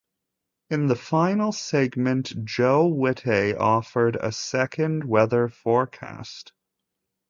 In the final segment, Joe Witte offered a second weather forecast.